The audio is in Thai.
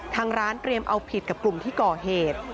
ทางร้านเตรียมเอาผิดกับกลุ่มที่ก่อเหตุ